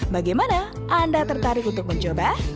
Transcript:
bagaimana anda tertarik untuk mencoba